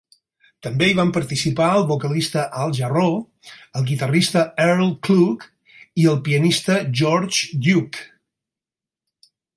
També hi van participar el vocalista Al Jarreau, el guitarrista Earl Klugh i el pianista George Duke.